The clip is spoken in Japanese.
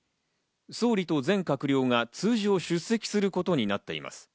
総理と全閣僚が通常出席することになっています。